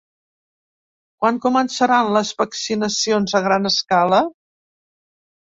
Quan començaran les vaccinacions a gran escala?